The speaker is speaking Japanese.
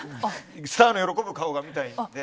スターの喜ぶ顔が見たいので。